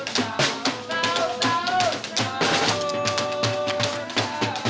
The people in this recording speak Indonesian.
sahur sahur sahur